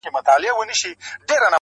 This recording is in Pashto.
پر ملا کړوپ دی ستا له زور څخه خبر دی!.